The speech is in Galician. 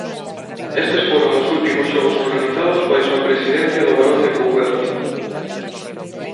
Estes foron os últimos Xogos organizados baixo a presidencia do Barón de Coubertin.